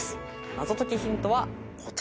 謎解きヒントはこちら。